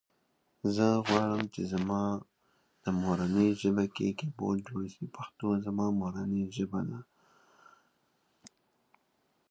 که ښځه مالي پلان جوړ کړي، نو راتلونکی خوندي دی.